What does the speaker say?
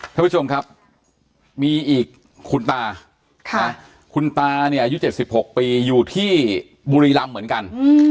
ท่านผู้ชมครับมีอีกคุณตาคุณตาเนี่ยอายุ๗๖ปีอยู่ที่บุรีรำเหมือนกัน